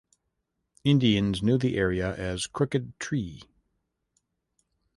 Indians knew the area as Crooked Tree.